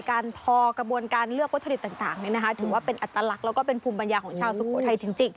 การทอกระบวนการเลือกวัตถุดิษฐ์ต่างต่างเนี้ยนะคะถือว่าเป็นอัตลักษณ์แล้วก็เป็นภูมิปัญญาของชาวสุโปรไทยถึงจริง